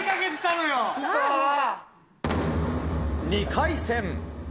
２回戦。